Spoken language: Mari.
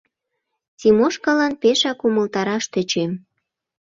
— Тимошкалан пешак умылтараш тӧчем.